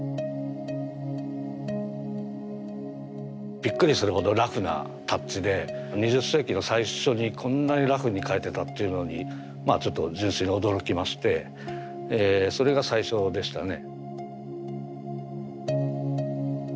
びっくりするほどラフなタッチで２０世紀の最初にこんなにラフに描いてたっていうのにまあちょっと純粋に驚きましてそれが最初でしたね。